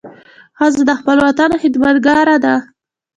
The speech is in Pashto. ښځه د خپل وطن خدمتګاره ده.